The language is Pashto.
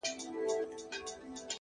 د دوزخي حُسن چيرمني جنتي دي کړم ـ